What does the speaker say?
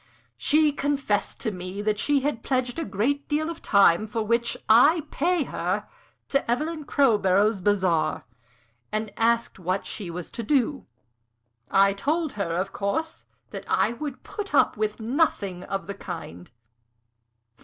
"She confessed to me that she had pledged a great deal of the time for which I pay her to Evelyn Crowborough's bazaar, and asked what she was to do. I told her, of course, that I would put up with nothing of the kind."